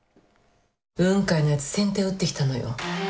雲海のやつ先手を打ってきたのよ。